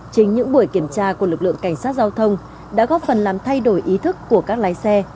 chính những buổi kiểm tra của lực lượng cảnh sát giao thông đã góp phần làm thay đổi ý thức của các lái xe